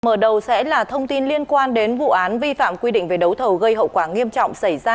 mở đầu sẽ là thông tin liên quan đến vụ án vi phạm quy định về đấu thầu gây hậu quả nghiêm trọng xảy ra